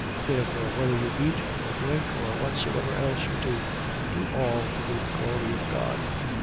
10:31. Therefore, whether you eat or drink, or whatsoever else you do, do all to the glory of God.